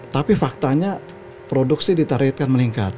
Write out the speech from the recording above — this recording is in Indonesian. tapi faktanya produksi ditarikkan meningkat